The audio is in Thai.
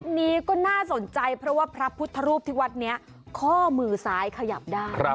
อันนี้ก็น่าสนใจเพราะว่าพระพุทธรูปที่วัดนี้ข้อมือซ้ายขยับได้